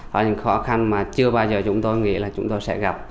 đó là những khó khăn mà chưa bao giờ chúng tôi nghĩ là chúng tôi sẽ gặp